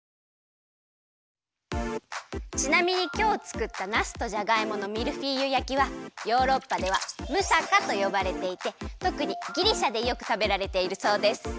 ちなみにきょうつくったなすとじゃがいものミルフィーユ焼きはヨーロッパではムサカとよばれていてとくにギリシャでよくたべられているそうです。